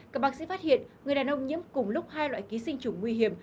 cả bác sĩ phát hiện người đàn ông nhiễm cùng lúc hai loại ký sinh chủng nguy hiểm